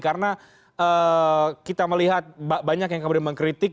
karena kita melihat banyak yang kemudian mengkritik